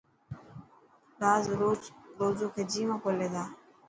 روز کجي مان کولي تا.